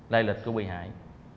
lai lịch của bị hại